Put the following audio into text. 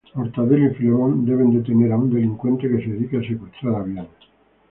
Mortadelo y Filemón deben detener a un delincuente que se dedica a secuestrar aviones.